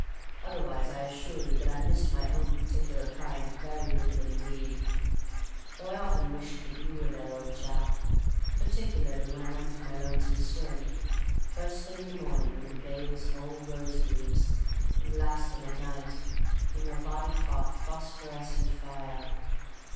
Otherwise I assure you that I missed my own particular kind very little indeed, though I often wished that you were there, old chap; particularly when I went for my lonesome swim; first thing in the morning, when the Bay was all rose leaves, and last thing at night, when your body caught phosphorescent fire!